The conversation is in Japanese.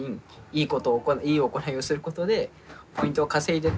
いい行いをすることでポイントを稼いでって。